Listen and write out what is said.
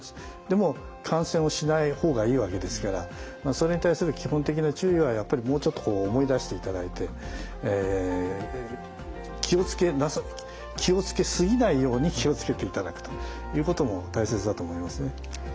でも感染をしない方がいいわけですからそれに対する基本的な注意はやっぱりもうちょっと思い出していただいて気をつけ過ぎないように気をつけていただくということも大切だと思いますね。